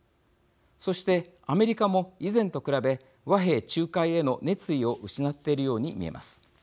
そして、アメリカも、以前と比べ和平仲介への熱意を失っているように見えます。